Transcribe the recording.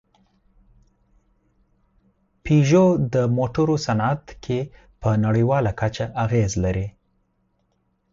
پيژو د موټرو صنعت کې په نړۍواله کچه اغېز لري.